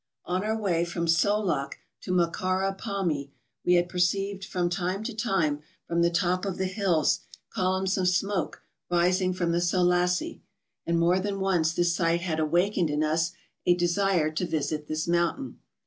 On our way from Solok to Mocara Pamy, we had perceived from time to time, from the top of the hills, columns of smoke rising from the Soelassie; and more than once this sight had awakened in us a desire to visit this mountain.